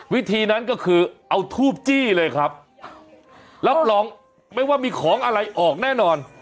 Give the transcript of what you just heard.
วิธีนั้นก็คือเอาทูบจี้เลยครับรับรองไม่ว่ามีของอะไรออกแน่นอน